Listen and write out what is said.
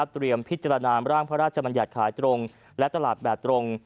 พิจารณาร่างพระราชมัญญัติขายตรงและตลาดแบบตรง